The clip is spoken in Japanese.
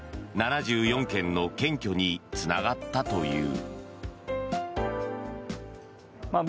７４件の検挙につながったという。